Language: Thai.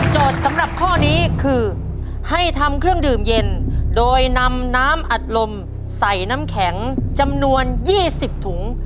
สำหรับข้อนี้คือให้ทำเครื่องดื่มเย็นโดยนำน้ำอัดลมใส่น้ำแข็งจำนวน๒๐ถุง